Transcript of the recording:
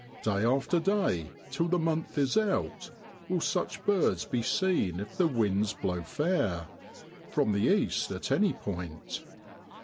Day after day, till the month is out, will such birds be seen if the winds blow fair from the east at any point.